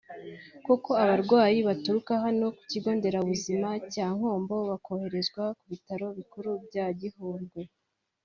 Koko abarwayi baturuka hano ku Kigo nderabuzima cya Nkombo bakoherezwa kubitaro bikuru bya Gihundwe